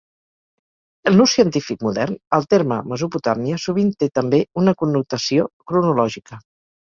En l'ús científic modern, el terme Mesopotàmia sovint té també una connotació cronològica.